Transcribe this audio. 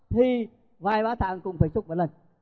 thì vài ba tháng cũng phải xúc một lần